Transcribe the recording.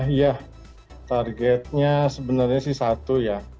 iya targetnya sebenarnya sih satu ya